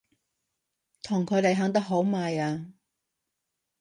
同佢哋行得好埋啊！